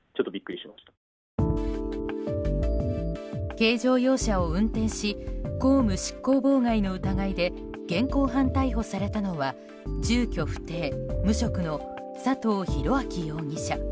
軽乗用車を運転し公務執行妨害の疑いで現行犯逮捕されたのは住居不定・無職の佐藤廣明容疑者。